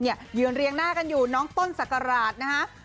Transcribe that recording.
ยืนเรียงหน้ากันอยู่น้องต้นสักราชนะฮะ